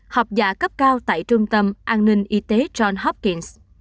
học giả cấp cao tại trung tâm an ninh y tế john hopkings